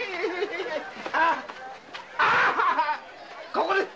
ここです！